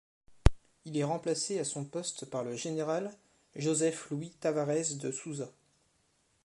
Il est remplacé à son poste par le général Joseph Louis Tavarez de Souza.